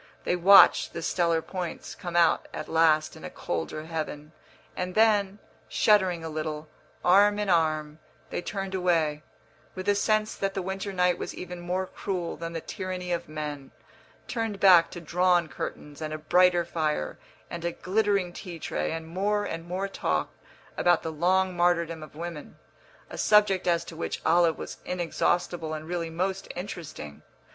They watched the stellar points come out at last in a colder heaven, and then, shuddering a little, arm in arm, they turned away, with a sense that the winter night was even more cruel than the tyranny of men turned back to drawn curtains and a brighter fire and a glittering tea tray and more and more talk about the long martyrdom of women, a subject as to which Olive was inexhaustible and really most interesting.